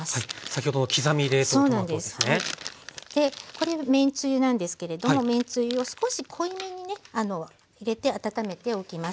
これはめんつゆなんですけれどもめんつゆを少し濃いめにね入れて温めておきます。